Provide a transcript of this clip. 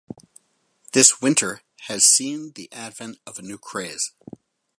This winter has seen the advent of a new craze.